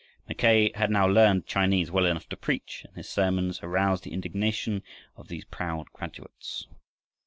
Mackay had now learned Chinese well enough to preach, and his sermons aroused the indignation of these proud graduates.